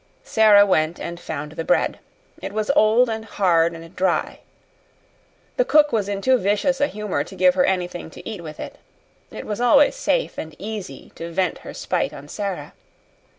Sara went and found the bread. It was old and hard and dry. The cook was in too vicious a humor to give her anything to eat with it. It was always safe and easy to vent her spite on Sara.